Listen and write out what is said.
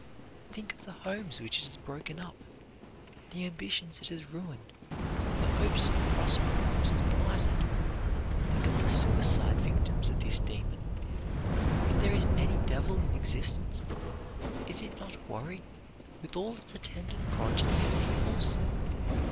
Think of the homes which it has broken up; the ambitions it has ruined; the hopes and prospects it has blighted! Think of the suicide victims of this demon! If there is any devil in existence, is it not worry, with all its attendant progeny of evils?